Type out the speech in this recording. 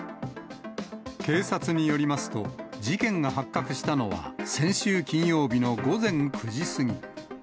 警察によりますと、事件が発覚したのは先週金曜日の午前９時過ぎ。